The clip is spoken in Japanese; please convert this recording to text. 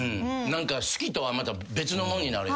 何か好きとはまた別のもんになるよね。